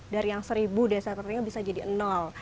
dari yang seribu desa tertinggal bisa jadi nol